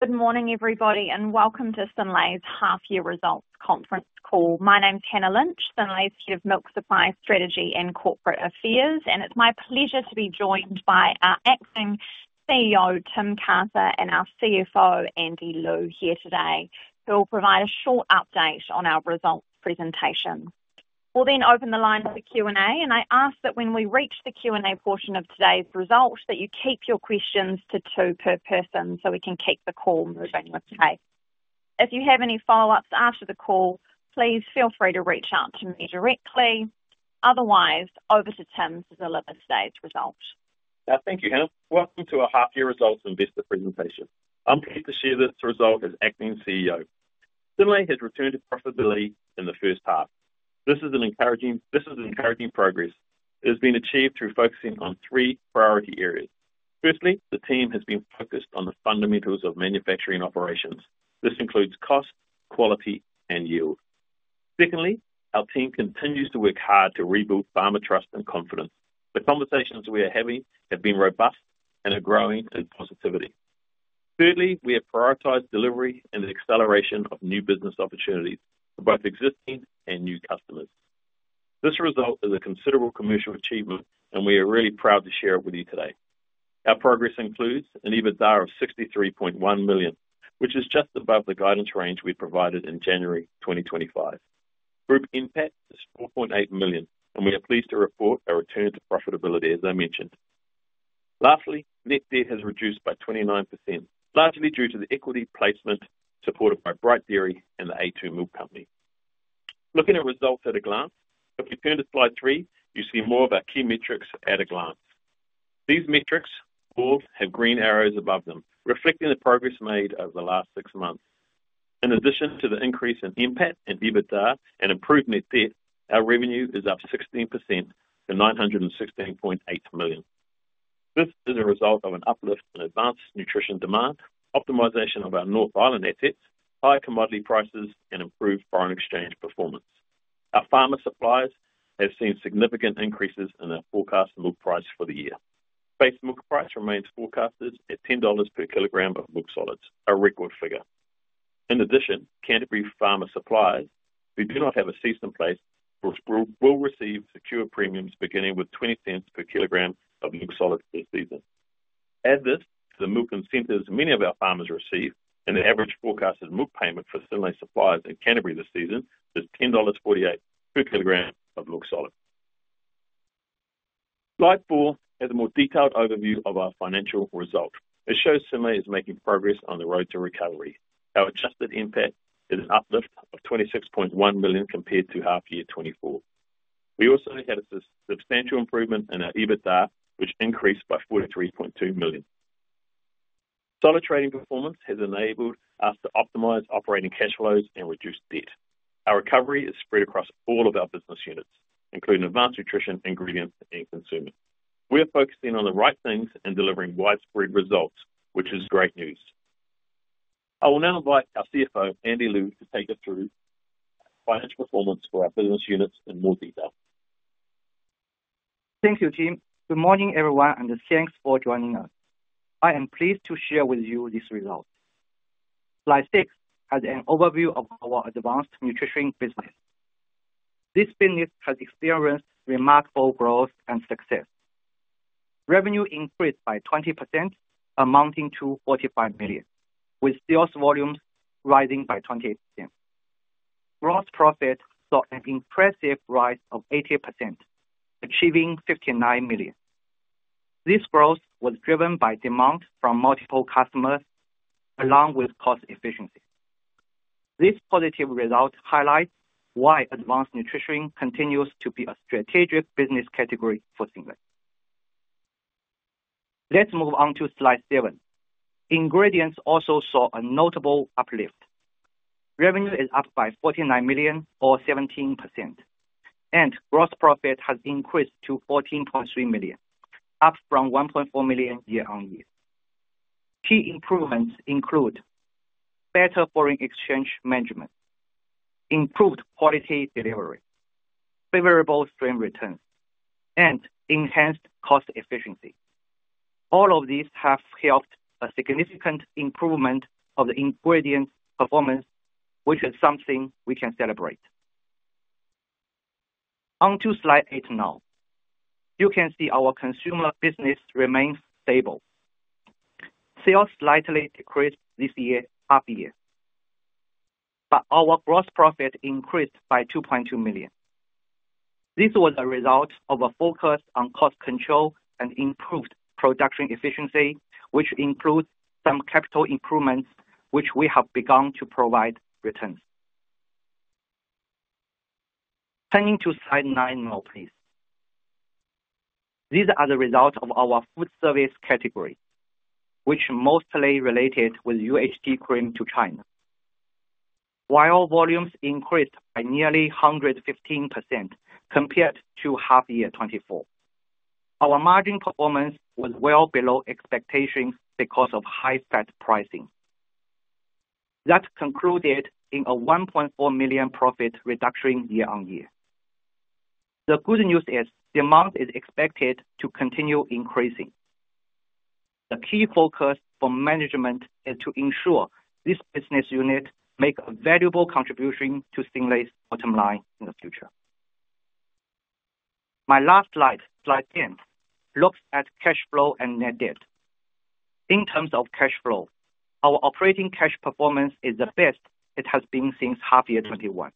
Good morning, everybody, and welcome to Synlait's Half-Year Results Conference Call. My name's Hannah Lynch, Synlait's Head of Milk Supply Strategy and Corporate Affairs, and it's my pleasure to be joined by our Acting CEO, Tim Carter, and our CFO, Andy Liu, here today, who will provide a short update on our results presentation. We'll then open the line for Q&A, and I ask that when we reach the Q&A portion of today's results, that you keep your questions to two per person so we can keep the call moving with the pace. If you have any follow-ups after the call, please feel free to reach out to me directly. Otherwise, over to Tim to deliver today's result. Thank you, Hannah. Welcome to our half-year results investor presentation. I'm pleased to share this result as Acting CEO. Synlait has returned to profitability in the first half. This is encouraging progress. It has been achieved through focusing on three priority areas. Firstly, the team has been focused on the fundamentals of manufacturing operations. This includes cost, quality, and yield. Secondly, our team continues to work hard to rebuild farmer trust and confidence. The conversations we are having have been robust and are growing in positivity. Thirdly, we have prioritized delivery and the acceleration of new business opportunities for both existing and new customers. This result is a considerable commercial achievement, and we are really proud to share it with you today. Our progress includes an EBITDA of $63.1 million, which is just above the guidance range we provided in January 2025. Group NPAT is $4.8 million, and we are pleased to report a return to profitability, as I mentioned. Lastly, net debt has reduced by 29%, largely due to the equity placement supported by Bright Dairy and the a2 Milk Company. Looking at results at a glance, if you turn to slide three, you see more of our key metrics at a glance. These metrics all have green arrows above them, reflecting the progress made over the last six months. In addition to the increase in NPAT and EBITDA and improved net debt, our revenue is up 16% to $916.8 million. This is a result of an uplift in advanced nutrition demand, optimization of our North Island assets, high commodity prices, and improved foreign exchange performance. Our farmer suppliers have seen significant increases in their forecast milk price for the year. Base milk price remains forecasted at $10 per kilogram of milk solids, a record figure. In addition, Canterbury farmer suppliers, who do not have a cease-in-place, will receive secure premiums beginning with $0.20 per kilogram of milk solids this season. Add this to the milk incentives many of our farmers receive, and the average forecasted milk payment for Synlait suppliers in Canterbury this season is $10.48 per kilogram of milk solids. Slide four has a more detailed overview of our financial result. It shows Synlait is making progress on the road to recovery. Our adjusted NPAT is an uplift of $26.1 million compared to half-year 2024. We also had a substantial improvement in our EBITDA, which increased by $43.2 million. Solid trading performance has enabled us to optimize operating cash flows and reduce debt. Our recovery is spread across all of our business units, including advanced nutrition, ingredients, and consumers. We are focusing on the right things and delivering widespread results, which is great news. I will now invite our CFO, Andy Liu, to take us through financial performance for our business units in more detail. Thank you, Tim. Good morning, everyone, and thanks for joining us. I am pleased to share with you this result. Slide six has an overview of our advanced nutrition business. This business has experienced remarkable growth and success. Revenue increased by 20%, amounting to $45 million, with sales volumes rising by 28%. Gross profit saw an impressive rise of 80%, achieving $59 million. This growth was driven by demand from multiple customers, along with cost efficiency. This positive result highlights why advanced nutrition continues to be a strategic business category for Synlait. Let's move on to slide seven. Ingredients also saw a notable uplift. Revenue is up by $49 million, or 17%, and gross profit has increased to $14.3 million, up from $1.4 million year-on-year. Key improvements include better foreign exchange management, improved quality delivery, favorable stream returns, and enhanced cost efficiency. All of these have helped a significant improvement of the ingredients' performance, which is something we can celebrate. Onto slide eight now. You can see our consumer business remains stable. Sales slightly decreased this year, half-year, but our gross profit increased by $2.2 million. This was a result of a focus on cost control and improved production efficiency, which includes some capital improvements, which we have begun to provide returns. Turning to slide nine now, please. These are the results of our Foodservice category, which is mostly related with UHT cream to China. Our volumes increased by nearly 115% compared to half-year 2024. Our margin performance was well below expectations because of high-fat pricing. That concluded in a $1.4 million profit reduction year-on-year. The good news is demand is expected to continue increasing. The key focus for management is to ensure this business unit makes a valuable contribution to Synlait's bottom line in the future. My last slide, slide 10, looks at cash flow and net debt. In terms of cash flow, our operating cash performance is the best it has been since half-year 2021.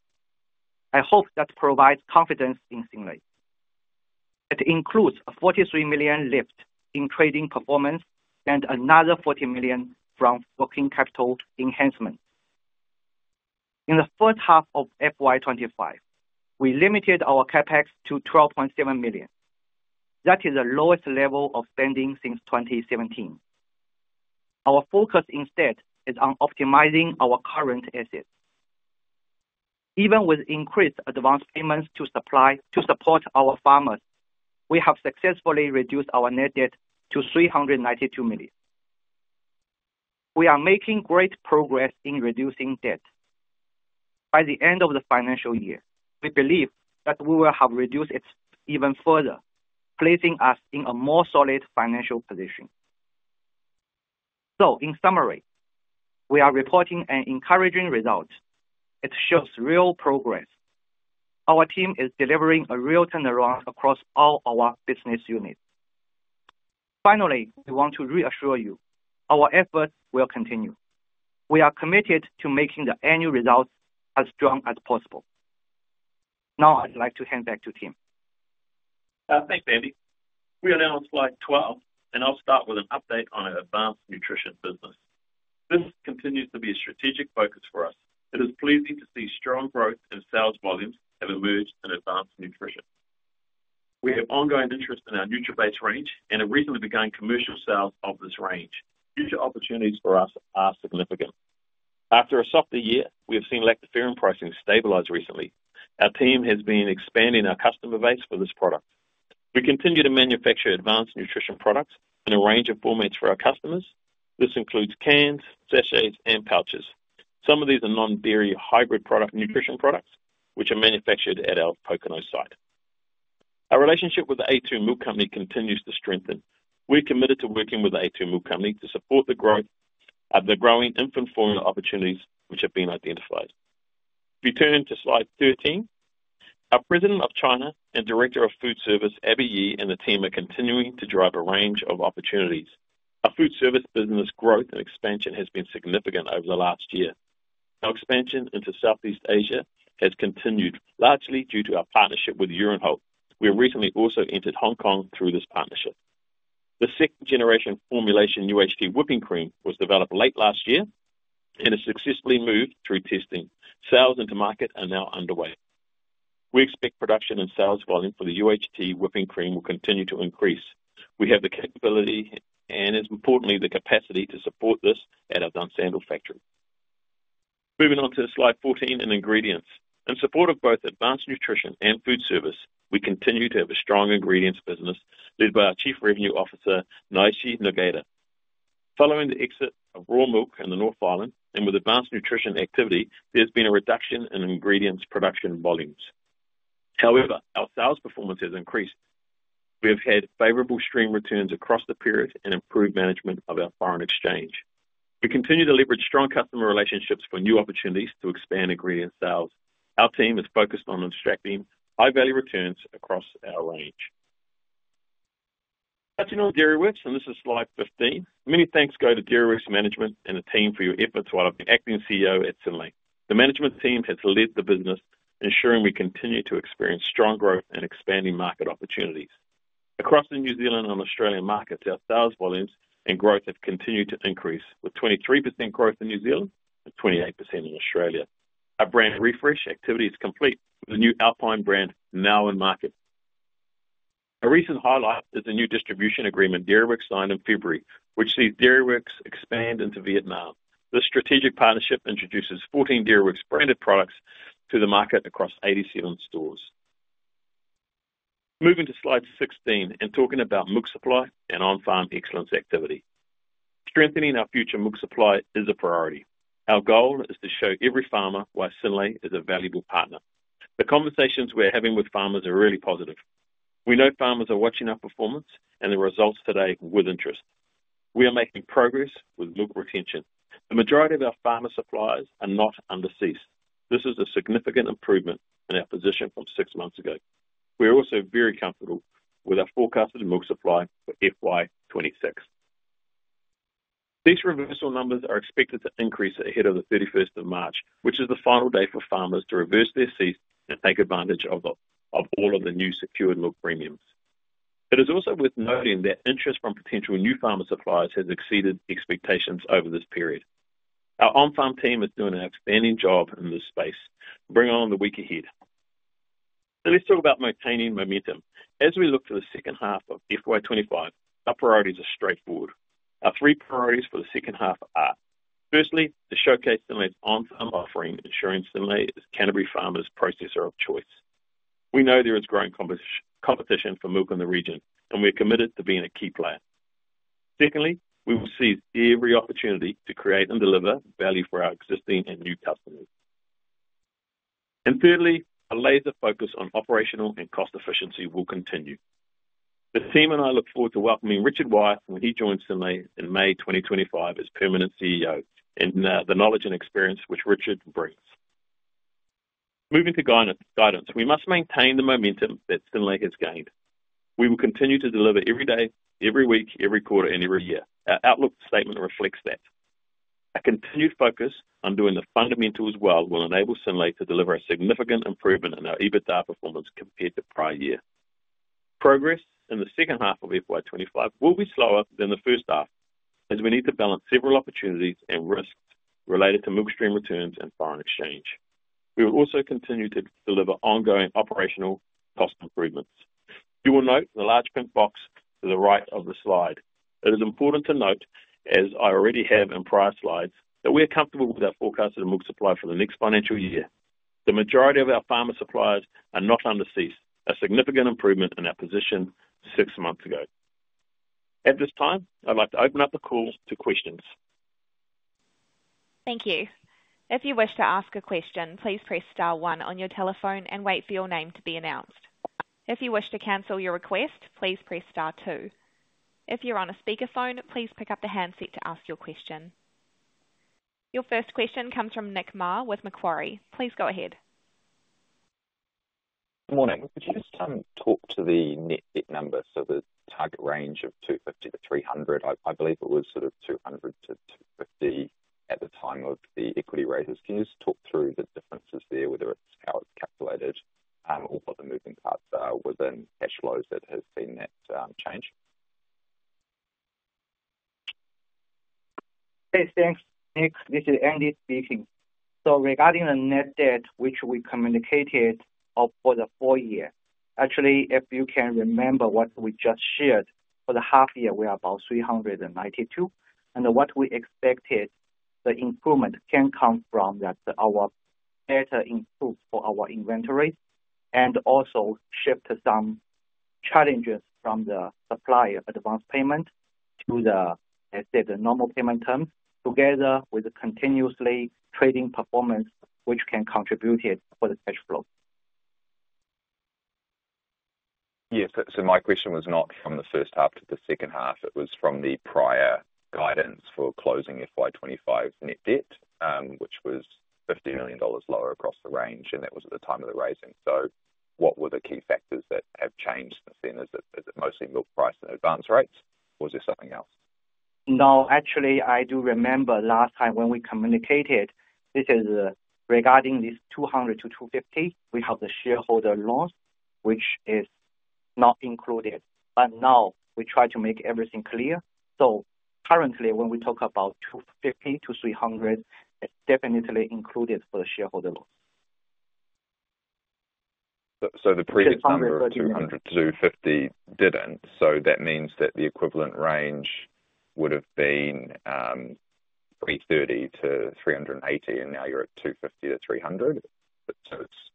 I hope that provides confidence in Synlait. It includes a $43 million lift in trading performance and another $40 million from working capital enhancement. In the first half of FY 2025, we limited our CapEx to $12.7 million. That is the lowest level of spending since 2017. Our focus instead is on optimizing our current assets. Even with increased advanced payments to support our farmers, we have successfully reduced our net debt to $392 million. We are making great progress in reducing debt. By the end of the financial year, we believe that we will have reduced it even further, placing us in a more solid financial position. In summary, we are reporting an encouraging result. It shows real progress. Our team is delivering a real turnaround across all our business units. Finally, we want to reassure you, our efforts will continue. We are committed to making the annual results as strong as possible. Now, I'd like to hand back to Tim. Thanks, Andy. We are now on slide 12, and I'll start with an update on our advanced nutrition business. This continues to be a strategic focus for us. It is pleasing to see strong growth in sales volumes that have emerged in advanced nutrition. We have ongoing interest in our Nutrabase range and have recently begun commercial sales of this range. Future opportunities for us are significant. After a softer year, we have seen lactoferrin pricing stabilize recently. Our team has been expanding our customer base for this product. We continue to manufacture advanced nutrition products in a range of formats for our customers. This includes cans, sachets, and pouches. Some of these are non-dairy hybrid nutrition products, which are manufactured at our Pokeno site. Our relationship with the a2 Milk Company continues to strengthen. We're committed to working with the a2 Milk Company to support the growth of the growing infant formula opportunities which have been identified. If you turn to slide 13, our President of China and Director of Foodservice, Abby Ye, and the team are continuing to drive a range of opportunities. Our Fooservice business growth and expansion has been significant over the last year. Our expansion into Southeast Asia has continued, largely due to our partnership with Uhrenholt. We have recently also entered Hong Kong through this partnership. The second-generation formulation UHT whipping cream was developed late last year and has successfully moved through testing. Sales into market are now underway. We expect production and sales volume for the UHT whipping cream will continue to increase. We have the capability and, importantly, the capacity to support this at our Dunsandel factory. Moving on to slide 14 and ingredients. In support of both advanced nutrition and Foodservice, we continue to have a strong ingredients business led by our Chief Revenue Officer, Naiche Nogueira. Following the exit of raw milk in the North Island and with advanced nutrition activity, there has been a reduction in ingredients production volumes. However, our sales performance has increased. We have had favorable stream returns across the period and improved management of our foreign exchange. We continue to leverage strong customer relationships for new opportunities to expand ingredient sales. Our team is focused on extracting high-value returns across our range. Touching on Dairyworks, and this is slide 15. Many thanks go to Dairyworks Management and the team for your efforts while I've been Acting CEO at Synlait. The management team has led the business, ensuring we continue to experience strong growth and expanding market opportunities. Across the New Zealand and Australian markets, our sales volumes and growth have continued to increase, with 23% growth in New Zealand and 28% in Australia. Our brand refresh activity is complete with a new Alpine brand now in market. A recent highlight is the new distribution agreement Dairyworks signed in February, which sees Dairyworks expand into Vietnam. This strategic partnership introduces 14 Dairyworks branded products to the market across 87 stores. Moving to slide 16 and talking about milk supply and on-farm excellence activity. Strengthening our future milk supply is a priority. Our goal is to show every farmer why Synlait is a valuable partner. The conversations we're having with farmers are really positive. We know farmers are watching our performance and the results today with interest. We are making progress with milk retention. The majority of our farmer suppliers are not under cease. This is a significant improvement in our position from six months ago. We are also very comfortable with our forecasted milk supply for FY 2026. These reversal numbers are expected to increase ahead of the 31st of March, which is the final day for farmers to reverse their cease and take advantage of all of the new secured milk premiums. It is also worth noting that interest from potential new farmer suppliers has exceeded expectations over this period. Our on-farm team is doing an outstanding job in this space. Bring on the week ahead. Let's talk about maintaining momentum. As we look to the second half of FY 2025, our priorities are straightforward. Our three priorities for the second half are, firstly, to showcase Synlait's on-farm offering, ensuring Synlait is Canterbury farmers' processor of choice. We know there is growing competition for milk in the region, and we are committed to being a key player. Secondly, we will seize every opportunity to create and deliver value for our existing and new customers. Thirdly, a laser focus on operational and cost efficiency will continue. The team and I look forward to welcoming Richard Wyeth when he joins Synlait in May 2025 as permanent CEO and the knowledge and experience which Richard brings. Moving to guidance, we must maintain the momentum that Synlait has gained. We will continue to deliver every day, every week, every quarter, and every year. Our outlook statement reflects that. Our continued focus on doing the fundamentals well will enable Synlait to deliver a significant improvement in our EBITDA performance compared to prior year. Progress in the second half of FY 2025 will be slower than the first half, as we need to balance several opportunities and risks related to milk stream returns and foreign exchange. We will also continue to deliver ongoing operational cost improvements. You will note the large pink box to the right of the slide. It is important to note, as I already have in prior slides, that we are comfortable with our forecasted milk supply for the next financial year. The majority of our farmer suppliers are not under cease, a significant improvement in our position six months ago. At this time, I'd like to open up the call to questions. Thank you. If you wish to ask a question, please press star one on your telephone and wait for your name to be announced. If you wish to cancel your request, please press star two. If you're on a speakerphone, please pick up the handset to ask your question. Your first question comes from Nick Mar with Macquarie. Please go ahead. Good morning. Could you just talk to the net debt number, so the target range of $250 million-$300 million? I believe it was sort of $200 million-$250 million at the time of the equity raises. Can you just talk through the differences there, whether it's how it's calculated or what the moving parts are within cash flows that have seen that change? Thanks, Nick. This is Andy speaking. Regarding the net debt, which we communicated for the full year, actually, if you can remember what we just shared, for the half year, we are about $392 million. What we expected, the improvement can come from our better improvement for our inventory and also shift some challenges from the supplier advance payment to the, let's say, the normal payment terms, together with continuously trading performance, which can contribute for the cash flow. Yes. My question was not from the first half to the second half. It was from the prior guidance for closing FY 2025 net debt, which was $50 million lower across the range, and that was at the time of the raising. What were the key factors that have changed since then? Is it mostly milk price and advance rates, or is there something else? No, actually, I do remember last time when we communicated, this is regarding this $200-$250. We have the shareholder loss, which is not included. Now we try to make everything clear. Currently, when we talk about $250-$300, it is definitely included for the shareholder loan. The previous time around $200-$250 did not. That means that the equivalent range would have been $330-$380, and now you are at $250-$300. It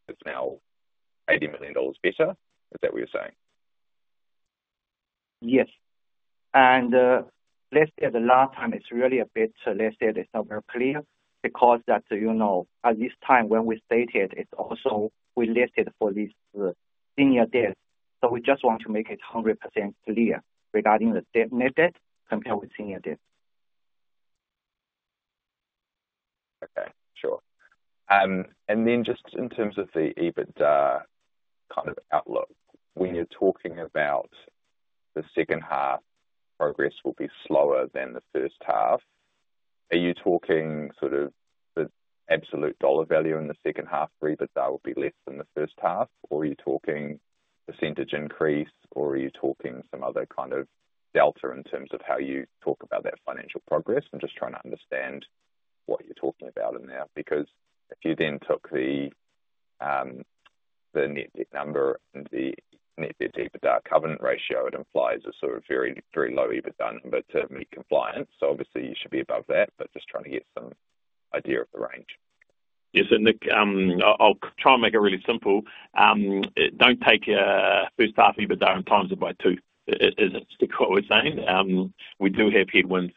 is now $80 million better. Is that what you are saying? Yes. Let's say the last time, it's really a bit, let's say, it's not very clear because at this time, when we stated, it's also we listed for this senior debt. We just want to make it 100% clear regarding the net debt compared with senior debt. Okay. Sure. In terms of the EBITDA kind of outlook, when you're talking about the second half, progress will be slower than the first half. Are you talking sort of the absolute dollar value in the second half for EBITDA will be less than the first half, or are you talking percentage increase, or are you talking some other kind of delta in terms of how you talk about that financial progress? I'm just trying to understand what you're talking about in there. Because if you then took the net debt number and the net debt to EBITDA covenant ratio, it implies a sort of very, very low EBITDA number to meet compliance. Obviously, you should be above that, but just trying to get some idea of the range. Yes, Nick. I'll try and make it really simple. Don't take your first half EBITDA and times it by two. Is that what we're saying? We do have headwinds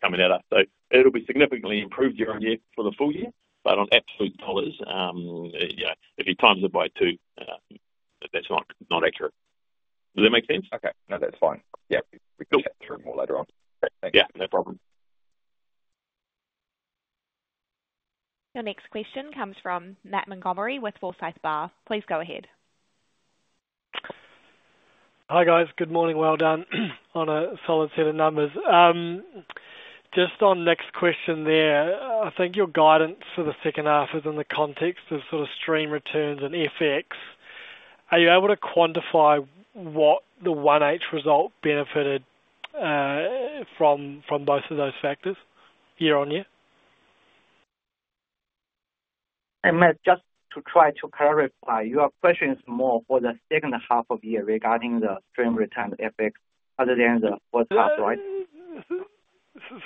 coming at us. It will be significantly improved yearon-year for the full year, but on absolute dollars, if you times it by two, that's not accurate. Does that make sense? Okay. No, that's fine. Yeah. We can chat through more later on. Yeah, no problem. Your next question comes from Matt Montgomerie with Forsyth Barr. Please go ahead. Hi, guys. Good morning. Well done on a solid set of numbers. Just on next question there, I think your guidance for the second half is in the context of sort of stream returns and FX. Are you able to quantify what the 1H result benefited from both of those factors year-on-year? Just to try to clarify, your question is more for the second half of the year regarding the stream return FX other than the first half, right?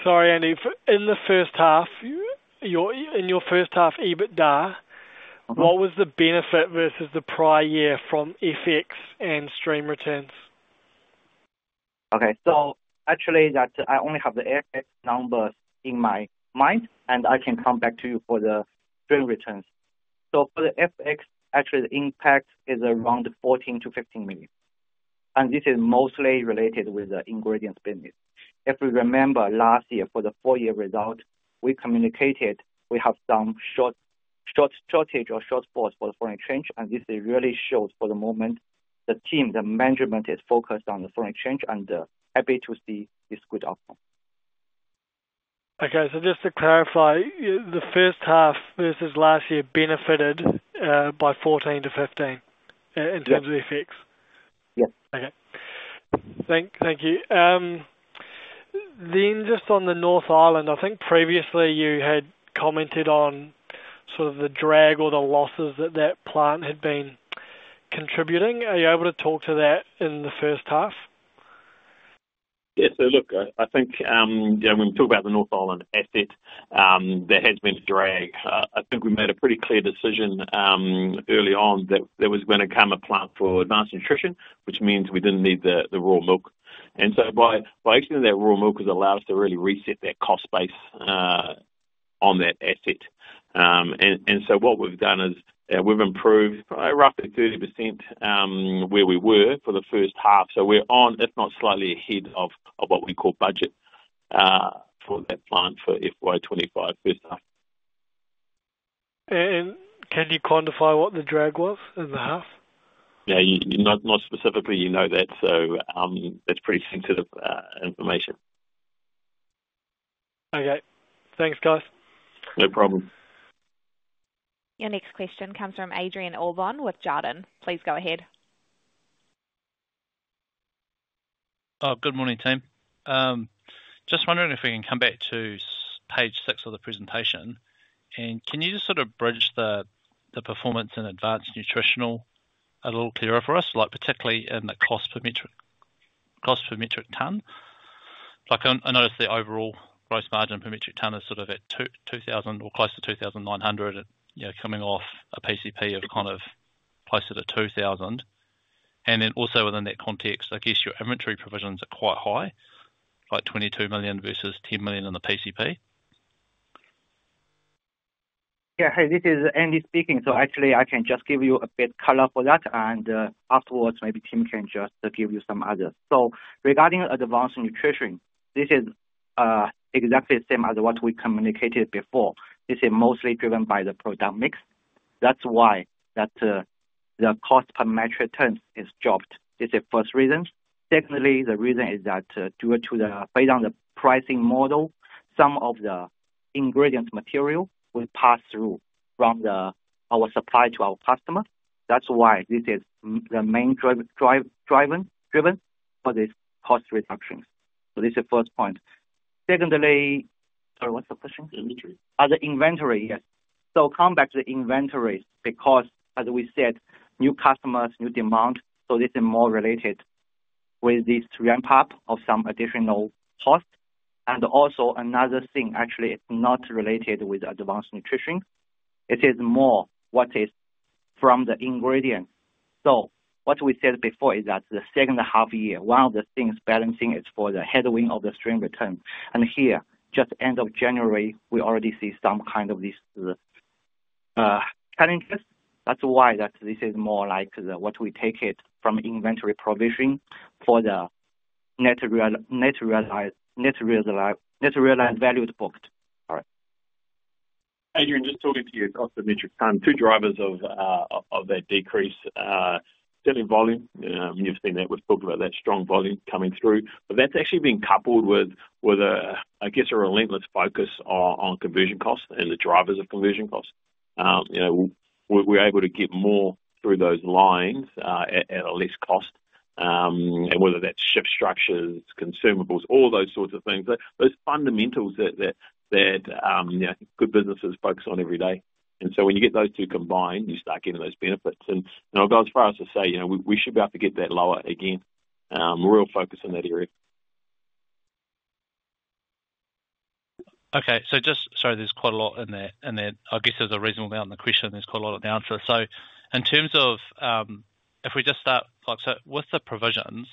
Sorry, Andy. In the first half, in your first half EBITDA, what was the benefit versus the prior year from FX and stream returns? Okay. Actually, I only have the FX numbers in my mind, and I can come back to you for the stream returns. For the FX, actually, the impact is around $14 million-$15 million. This is mostly related with the ingredients business. If we remember last year for the full-year result, we communicated we have some shortage or shortfall for the foreign exchange, and this is really short for the moment. The team, the management is focused on the foreign exchange and happy to see this good outcome. Okay. Just to clarify, the first half versus last year benefited by $14-15 million in terms of FX. Yes. Okay. Thank you. Just on the North Island, I think previously you had commented on sort of the drag or the losses that that plant had been contributing. Are you able to talk to that in the first half? Yes. Look, I think when we talk about the North Island asset, there has been a drag. I think we made a pretty clear decision early on that there was going to come a plant for advanced nutrition, which means we did not need the raw milk. Exiting that raw milk has allowed us to really reset that cost base on that asset. What we have done is we have improved roughly 30% where we were for the first half. We are on, if not slightly ahead of, what we call budget for that plant for FY 2025, first half. Can you quantify what the drag was in the half? Yeah. Not specifically. You know that. That's pretty sensitive information. Okay. Thanks, guys. No problem. Your next question comes from Adrian Allbon with Jarden. Please go ahead. Good morning, team. Just wondering if we can come back to page six of the presentation. Can you just sort of bridge the performance in advanced nutritional a little clearer for us, particularly in the cost per metric ton? I noticed the overall gross margin per metric ton is sort of at $2,000 or close to $2,900, coming off a PCP of kind of closer to $2,000. Also within that context, I guess your inventory provisions are quite high, like $22 million versus $10 million in the PCP. Yeah. Hey, this is Andy speaking. Actually, I can just give you a bit of color for that, and afterwards, maybe Tim can just give you some others. Regarding advanced nutrition, this is exactly the same as what we communicated before. This is mostly driven by the product mix. That's why the cost per metric ton is dropped. This is the first reason. Secondly, the reason is that due to based on the pricing model, some of the ingredients material will pass through from our supply to our customer. That's why this is the main driving for these cost reductions. This is the first point. Secondly, sorry, what's the question? The inventory. The inventory, yes. Coming back to the inventory, because as we said, new customers, new demand, this is more related with this ramp-up of some additional cost. Also, another thing, actually, it's not related with advanced nutrition. It is more what is from the ingredients. What we said before is that the second half year, one of the things balancing is for the headwind of the stream return. Here, just end of January, we already see some kind of these challenges. That's why this is more like what we take it from inventory provision for the net realizable value to booked. Sorry. Adrian, just talking to you off the metric ton, two drivers of that decrease, certainly volume. You've seen that. We've talked about that strong volume coming through. That's actually been coupled with, I guess, a relentless focus on conversion costs and the drivers of conversion costs. We're able to get more through those lines at a less cost. Whether that's shift structures, consumables, all those sorts of things, those fundamentals that good businesses focus on every day. When you get those two combined, you start getting those benefits. I'll go as far as to say we should be able to get that lower again. Real focus in that area. Okay. Just, sorry, there's quite a lot in there. I guess there's a reasonable amount in the question, and there's quite a lot in the answer. In terms of if we just start, with the provisions,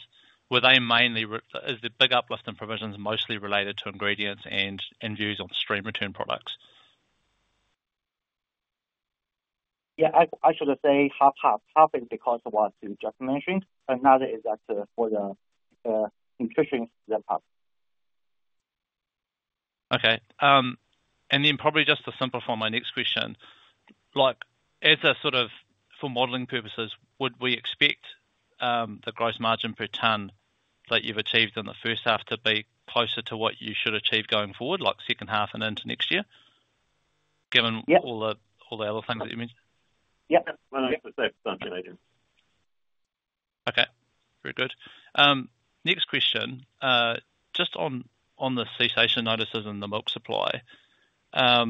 were they mainly, is the big uplift in provisions mostly related to ingredients and views on stream return products? Yeah. I should say half-half. Half is because of what you just mentioned. Another is that for the nutrition. That part. Okay. Probably just to simplify my next question, as a sort of for modeling purposes, would we expect the gross margin per ton that you've achieved in the first half to be closer to what you should achieve going forward, like second half and into next year, given all the other things that you mentioned? Yep. 100%. Okay. Very good. Next question. Just on the cessation notices and the milk supply, I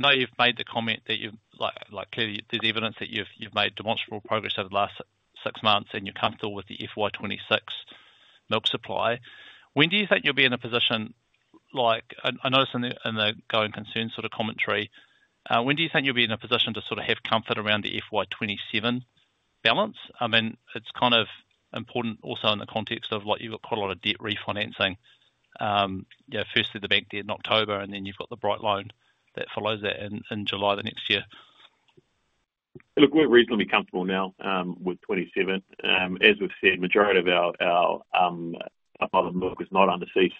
know you've made the comment that there's evidence that you've made demonstrable progress over the last six months, and you're comfortable with the FY 2026 milk supply. When do you think you'll be in a position, I noticed in the going concerns sort of commentary, when do you think you'll be in a position to sort of have comfort around the FY 2027 balance? I mean, it's kind of important also in the context of you've got quite a lot of debt refinancing. Firstly, the bank debt in October, and then you've got the Bright Loan that follows that in July of the next year. Look, we're reasonably comfortable now with 2027. As we've said, the majority of our other milk is not under cease.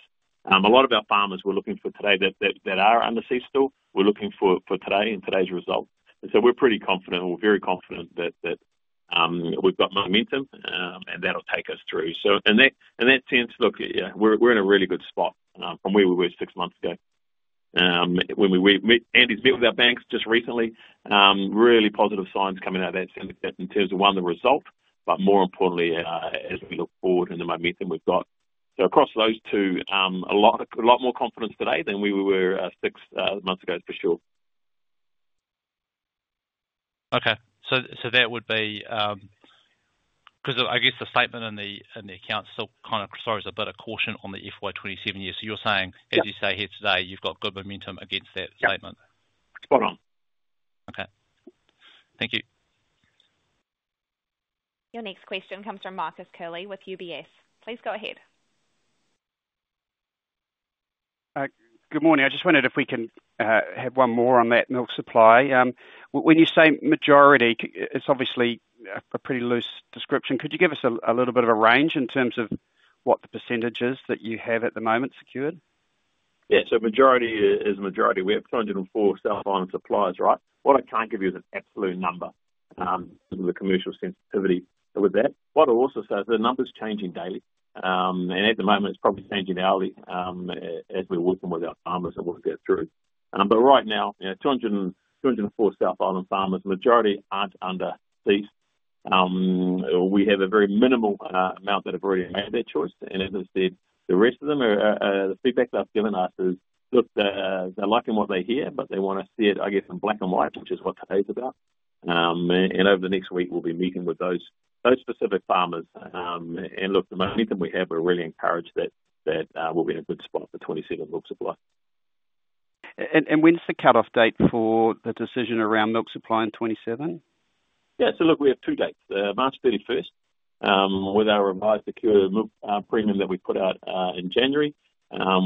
A lot of our farmers we're looking for today that are under cease still, we're looking for today and today's result. We're pretty confident, or very confident, that we've got momentum, and that'll take us through. In that sense, look, we're in a really good spot from where we were six months ago. Andy's met with our banks just recently. Really positive signs coming out of that in terms of, one, the result, but more importantly, as we look forward and the momentum we've got. Across those two, a lot more confidence today than we were six months ago, for sure. Okay. That would be because I guess the statement in the account still kind of throws a bit of caution on the FY 2027 year. You are saying, as you say here today, you have good momentum against that statement? Spot on. Okay. Thank you. Your next question comes from Marcus Curley with UBS. Please go ahead. Good morning. I just wondered if we can have one more on that milk supply. When you say majority, it's obviously a pretty loose description. Could you give us a little bit of a range in terms of what the percentage is that you have at the moment secured? Yeah. Majority is majority. We have 204 South Island suppliers, right? What I can't give you is an absolute number because of the commercial sensitivity with that. What I'll also say is the number's changing daily. At the moment, it's probably changing hourly as we're working with our farmers and working it through. Right now, 204 South Island farmers, majority aren't under cease. We have a very minimal amount that have already made that choice. As I said, the rest of them, the feedback they've given us is, look, they like what they hear, but they want to see it, I guess, in black and white, which is what today's about. Over the next week, we'll be meeting with those specific farmers. The momentum we have, we really encourage that we'll be in a good spot for 2027 milk supply. When's the cutoff date for the decision around milk supply in 2027? Yeah. So look, we have two dates. March 31 with our revised secure premium that we put out in January,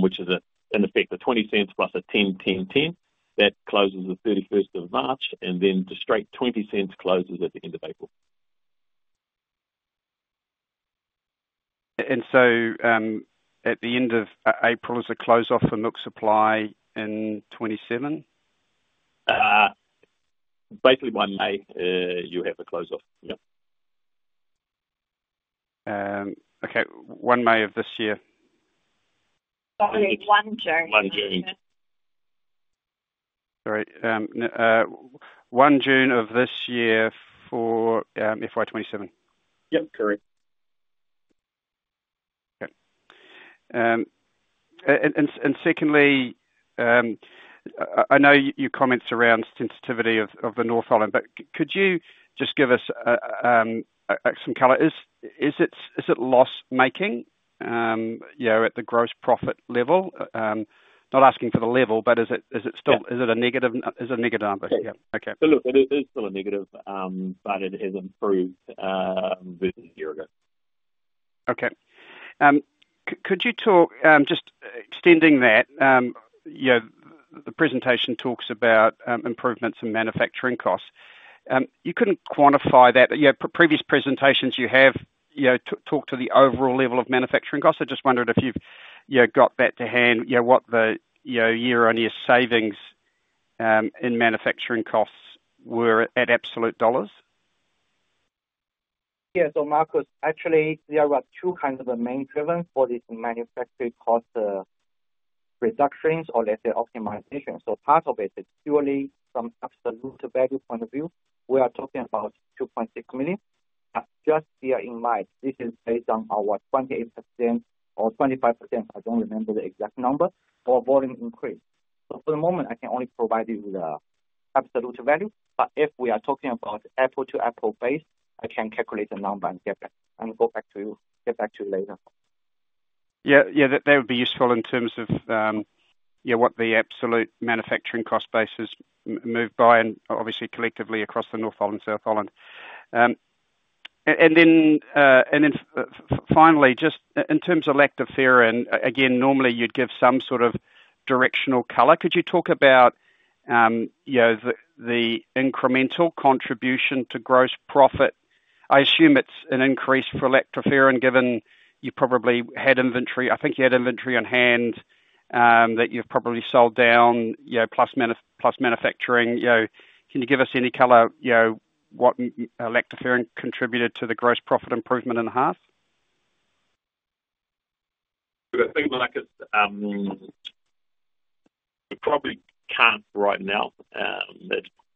which is in effect a $0.20 plus a 10, 10, 10. That closes the 31 of March, and then the straight $0.20 closes at the end of April. At the end of April is a close-off for milk supply in 2027? Basically, by May, you have a close-off. Yeah. Okay. 1 May of this year? Sorry. 1 June. 1 June. Sorry. 1 June of this year for FY 2027? Yep. Correct. Okay. Secondly, I know your comments around sensitivity of the North Island, but could you just give us some color? Is it loss-making at the gross profit level? Not asking for the level, but is it still a negative number? Yes. Yeah. Okay. It is still a negative, but it has improved versus a year ago. Okay. Could you talk just extending that? The presentation talks about improvements in manufacturing costs. You couldn't quantify that. Previous presentations, you have talked to the overall level of manufacturing costs. I just wondered if you've got back to hand what the year-on-year savings in manufacturing costs were at absolute dollars? Yeah. Marcus, actually, there are two kinds of main drivers for this manufacturing cost reductions or let's say optimization. Part of it is purely from absolute value point of view. We are talking about $2.6 million. Just bear in mind, this is based on our 28% or 25%, I don't remember the exact number, for volume increase. For the moment, I can only provide you with an absolute value. If we are talking about apple-to-apple base, I can calculate the number and get back to you later. Yeah. Yeah. That would be useful in terms of what the absolute manufacturing cost base has moved by, and obviously collectively across the North Island and South Island. Finally, just in terms of lactoferrin, again, normally you'd give some sort of directional color. Could you talk about the incremental contribution to gross profit? I assume it's an increase for lactoferrin given you probably had inventory. I think you had inventory on hand that you've probably sold down, plus manufacturing. Can you give us any color what lactoferrin contributed to the gross profit improvement in the half? I think, Marcus, we probably can't right now.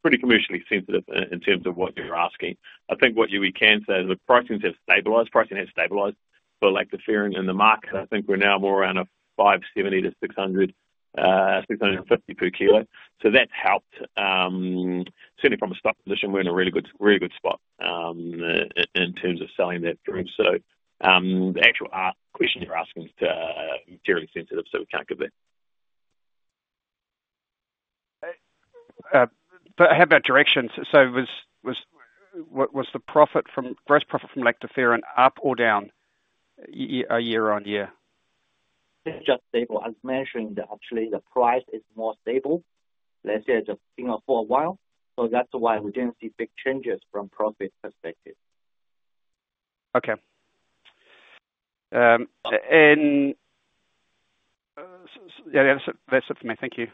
It's pretty commercially sensitive in terms of what you're asking. I think what we can say is the pricing has stabilized. Pricing has stabilized for lactoferrin in the market. I think we're now more around $570-$600, $650 per kilo. That's helped. Certainly from a stock position, we're in a really good spot in terms of selling that through. The actual question you're asking is very sensitive, so we can't give that. How about directions? Was the gross profit from lactoferrin up or down year-on-year? It's just stable. As mentioned, actually, the price is more stable. Let's say, for a while. That's why we didn't see big changes from profit perspective. Okay. That is it for me. Thank you.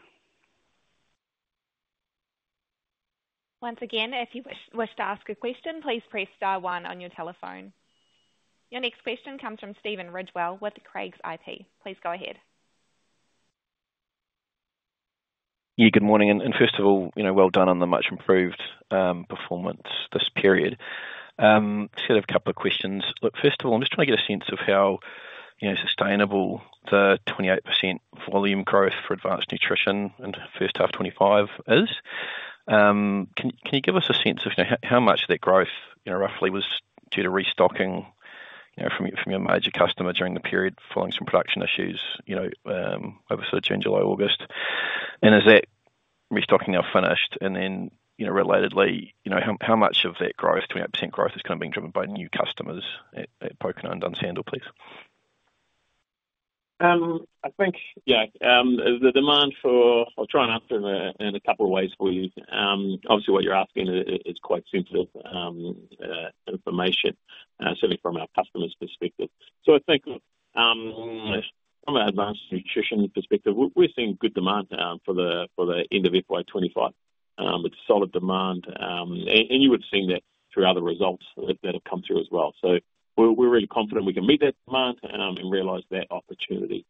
Once again, if you wish to ask a question, please press star one on your telephone. Your next question comes from Stephen Ridgewell with Craigs IP. Please go ahead. Yeah. Good morning. And first of all, well done on the much-improved performance this period. Just had a couple of questions. Look, first of all, I'm just trying to get a sense of how sustainable the 28% volume growth for advanced nutrition in first half 2025 is. Can you give us a sense of how much of that growth roughly was due to restocking from your major customer during the period following some production issues over September, July, August? Is that restocking now finished? Relatedly, how much of that growth, 28% growth, is kind of being driven by new customers at Pokeno and Dunsandel, please? I think, yeah, the demand for I'll try and answer in a couple of ways for you. Obviously, what you're asking is quite sensitive information, certainly from our customer's perspective. I think from an advanced nutrition perspective, we're seeing good demand for the end of FY 2025. It's solid demand. You would have seen that through other results that have come through as well. We're really confident we can meet that demand and realize that opportunity.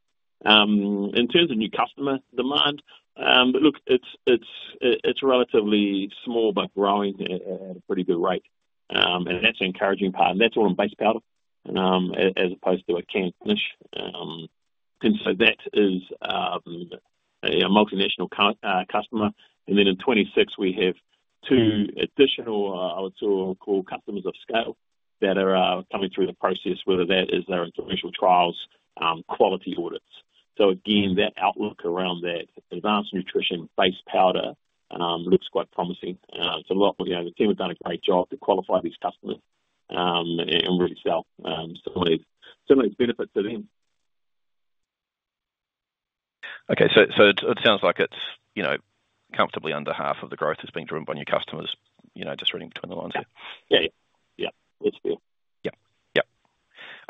In terms of new customer demand, look, it's relatively small but growing at a pretty good rate. That's an encouraging part. That's what I'm base powder, as opposed to a canned finish. That is a multinational customer. In 2026, we have two additional, I would call, customers of scale that are coming through the process, whether that is their international trials, quality audits. Again, that outlook around that advanced nutrition-based powder looks quite promising. The team have done a great job to qualify these customers and really sell some of these benefits to them. Okay. It sounds like it's comfortably under half of the growth that's being driven by new customers, just reading between the lines there. Yeah. Yeah. That's fair. Yeah. Yeah.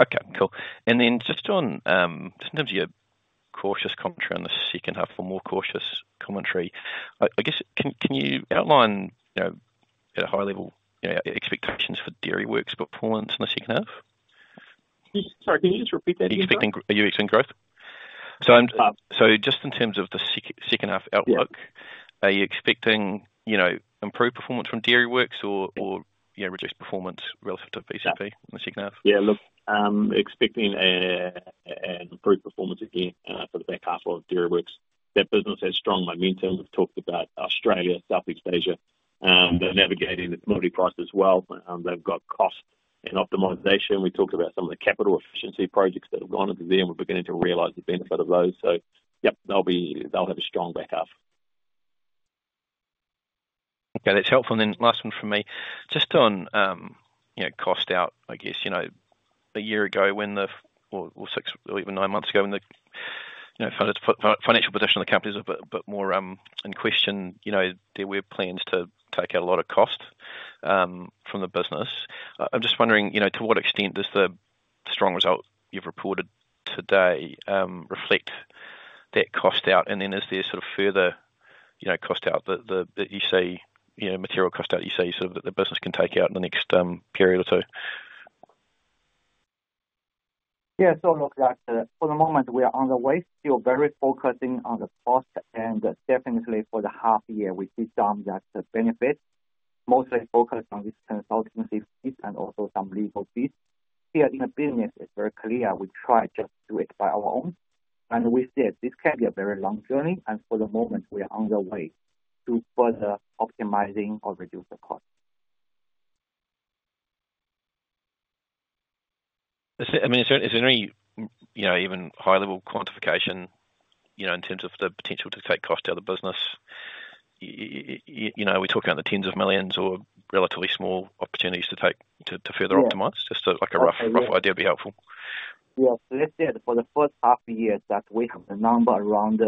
Okay. Cool. In terms of your cautious commentary on the second half or more cautious commentary, I guess, can you outline at a high level expectations for Dairyworks' performance in the second half? Sorry. Can you just repeat that? Are you expecting growth? Just in terms of the second half outlook, are you expecting improved performance from Dairyworks or reduced performance relative to BCP in the second half? Yeah. Look, expecting an improved performance again for the back half of Dairyworks. That business has strong momentum. We've talked about Australia, Southeast Asia. They're navigating the commodity price as well. They've got cost and optimization. We talked about some of the capital efficiency projects that have gone into them, and we're beginning to realize the benefit of those. Yep, they'll have a strong back half. Okay. That's helpful. Last one from me. Just on cost out, I guess, a year ago or even nine months ago, when the financial position of the company was a bit more in question, there were plans to take out a lot of cost from the business. I'm just wondering, to what extent does the strong result you've reported today reflect that cost out? Is there sort of further cost out that you see, material cost out you see sort of that the business can take out in the next period or two? Yeah. Look, for the moment, we are on the way, still very focusing on the cost. Definitely for the half year, we see some of that benefit, mostly focused on consultancy fees and also some legal fees. Here in the business, it's very clear we try just to do it by our own. We see that this can be a very long journey. For the moment, we are on the way to further optimizing or reduce the cost. I mean, is there any even high-level quantification in terms of the potential to take cost out of the business? We're talking about the tens of millions or relatively small opportunities to further optimize. Just a rough idea would be helpful. Yeah. Let's say for the first half year that we have a number around,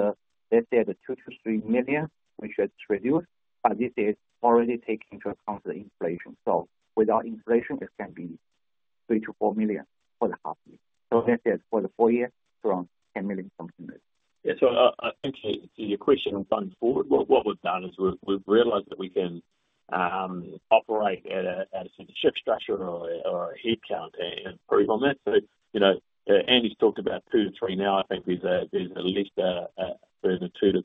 let's say, the $2-$3 million, which has reduced, but this is already taking into account the inflation. Without inflation, it can be $3-4 million for the half year. Let's say for the four years, around $10 million, something like that. Yeah. I think your question going forward, what we've done is we've realized that we can operate at a shift structure or a headcount and improve on that. Andy's talked about 2-3 now. I think there's at least a further 2-3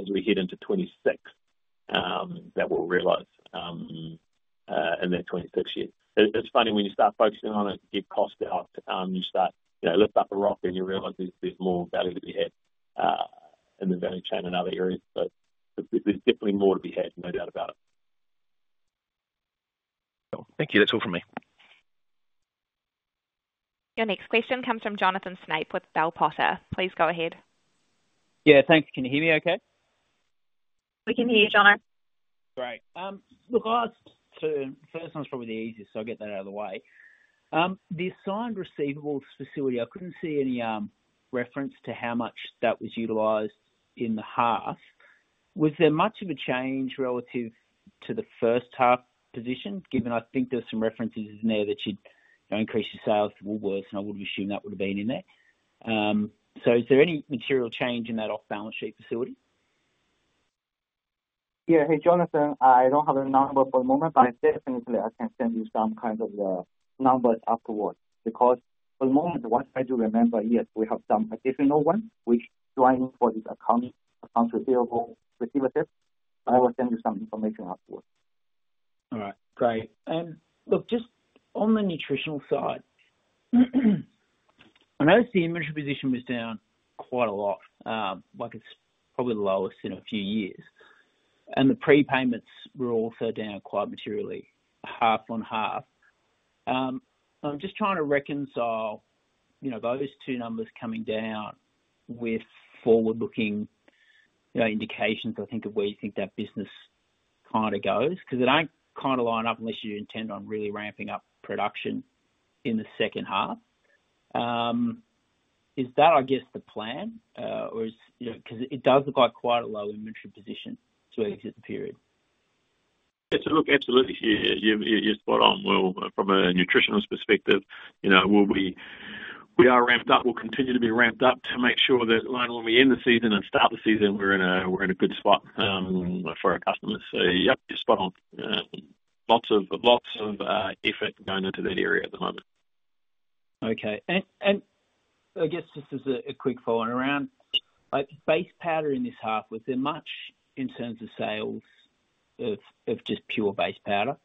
as we head into 2026 that we'll realize in that 2026 year. It's funny, when you start focusing on it, you get cost out, you start lifting up a rock, and you realize there's more value to be had in the value chain in other areas. There's definitely more to be had, no doubt about it. Cool. Thank you. That's all from me. Your next question comes from Jonathan Snape with Bell Potter. Please go ahead. Yeah. Thanks. Can you hear me okay? We can hear you, John. Great. Look, first one's probably the easiest, so I'll get that out of the way. The assigned receivables facility, I couldn't see any reference to how much that was utilized in the half. Was there much of a change relative to the first half position, given I think there's some references in there that you'd increase your sales, it will worsen, I would assume that would have been in there. Is there any material change in that off-balance sheet facility? Yeah. Hey, Jonathan, I don't have a number for the moment, but definitely, I can send you some kind of numbers afterwards. Because for the moment, what I do remember, yes, we have some additional ones which join for this account receivables facility. I will send you some information afterwards. All right. Great. Look, just on the nutritional side, I noticed the inventory position was down quite a lot. It's probably the lowest in a few years. The prepayments were also down quite materially, half on half. I'm just trying to reconcile those two numbers coming down with forward-looking indications, I think, of where you think that business kind of goes. Because it ain't kind of line up unless you intend on really ramping up production in the second half. Is that, I guess, the plan? It does look like quite a low emergency position to exit the period. Yeah. Look, absolutely. You're spot on. From a nutritionist perspective, we are ramped up. We'll continue to be ramped up to make sure that when we end the season and start the season, we're in a good spot for our customers. Yep, you're spot on. Lots of effort going into that area at the moment. Okay. I guess just as a quick follow-on around, base powder in this half, was there much in terms of sales of just pure base powder?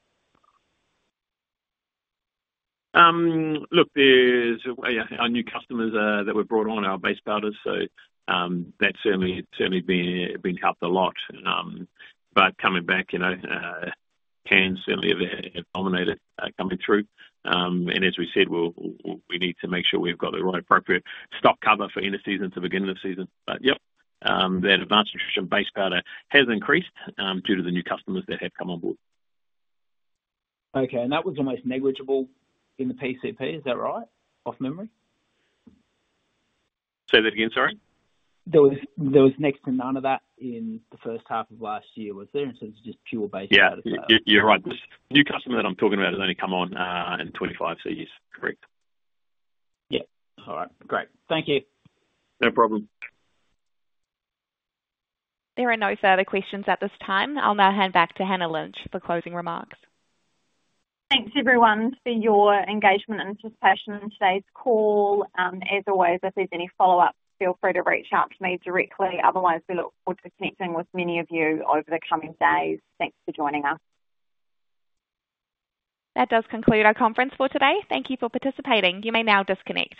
Look, our new customers that were brought on, our base powders, so that's certainly been helped a lot. Coming back, cans certainly have dominated coming through. As we said, we need to make sure we've got the right appropriate stock cover for end of season to beginning of season. Yep, that advanced nutrition base powder has increased due to the new customers that have come on board. Okay. That was almost negligible in the PCP, is that right? Off memory? Say that again, sorry? There was next to none of that in the first half of last year, was there? Instead of just pure base powder sales. Yeah. You're right. The new customer that I'm talking about has only come on in 2025, so yes, correct. Yeah. All right. Great. Thank you. No problem. There are no further questions at this time. I'll now hand back to Hannah Lynch for closing remarks. Thanks, everyone, for your engagement and participation in today's call. As always, if there's any follow-up, feel free to reach out to me directly. Otherwise, we look forward to connecting with many of you over the coming days. Thanks for joining us. That does conclude our conference for today. Thank you for participating. You may now disconnect.